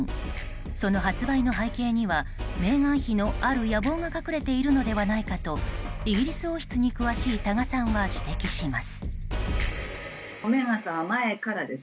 その発売の背景にはメーガン妃のある野望が隠れているのではないかとイギリス王室に詳しい多賀さんは指摘します。